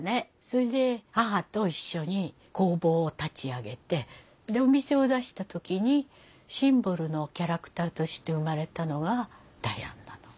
それで母と一緒に工房を立ち上げてでお店を出した時にシンボルのキャラクターとして生まれたのがダヤンなの。